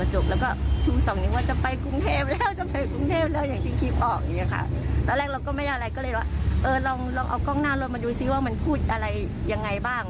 ใช่ค่ะอ่าตำรวจตรวจฉีดเจอสีมวง